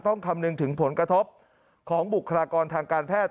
คำนึงถึงผลกระทบของบุคลากรทางการแพทย์